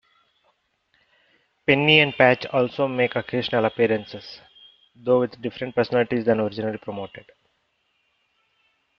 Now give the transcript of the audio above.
Penny and Patch also make occasional appearances, though with different personalities than originally promoted.